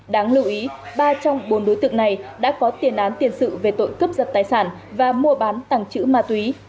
đáng lưu ý ba trong bốn đối tượng này đã có tiền án tiền sự về tội cướp giật tài sản và mua bán tàng trữ ma túy